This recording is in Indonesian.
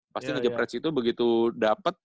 pasti nge jepress itu begitu dapet